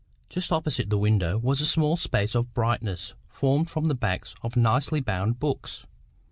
—Just opposite the window was a small space of brightness formed by the backs of nicely bound books.